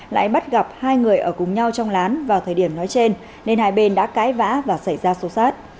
lại bắt gặp hai người ở cùng nhau trong lán vào thời điểm nói trên nên hai bên đã cãi vã và xảy ra xô xát